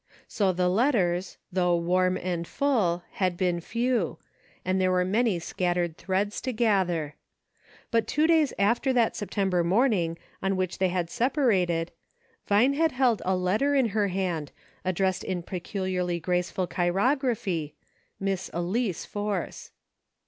So the letters, though warm and full, had been few, and there were many scattered threads to gather. But two days after that September morning on which they had sepa rated, Vine had held a letter in her hand, addressed "THAT BEATS ME.'" 33 1 in peculiarly graceful chirography, —" Miss Elice Force."